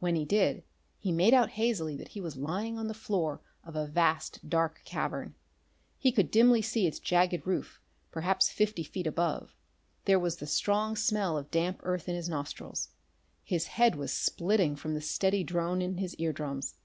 When he did, he made out hazily that he was lying on the floor of a vast dark cavern. He could dimly see its jagged roof, perhaps fifty feet above. There was the strong smell of damp earth in his nostrils; his head was splitting from the steady drone in his ear drums.